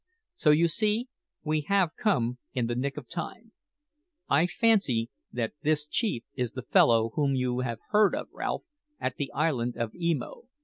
So, you see, we have come in the nick of time. I fancy that this chief is the fellow whom you heard of, Ralph, at the island of Emo.